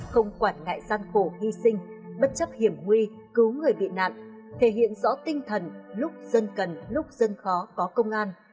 không quản ngại gian khổ hy sinh bất chấp hiểm nguy cứu người bị nạn thể hiện rõ tinh thần lúc dân cần lúc dân khó có công an